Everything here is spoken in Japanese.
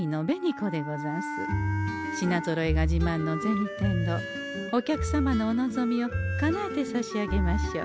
品ぞろえがじまんの銭天堂お客様のお望みをかなえてさしあげましょう。